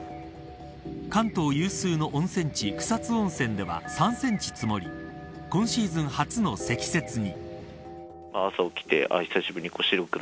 関東有数の温泉地、草津温泉では３センチ積もり今シーズン初の積雪に。